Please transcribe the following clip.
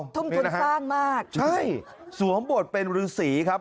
ทุ่มทุนสร้างมากใช่สวมบทเป็นฤษีครับ